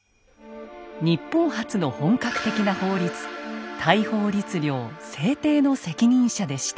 日本初の本格的な法律大宝律令制定の責任者でした。